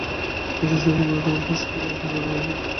ইচ্ছাশক্তি সম্বন্ধে তোমার প্রশ্নটি বড়ই সুন্দর এবং ঐটিই বুঝিবার বিষয়।